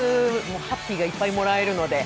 ハッピーがいっぱいもらえるので。